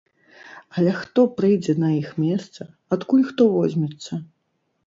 Але хто прыйдзе на іх месца, адкуль хто возьмецца?